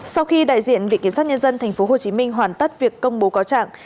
sau khi đại diện viện kiểm sát nhân dân tp hcm hoàn tất việc công bố cáo trạng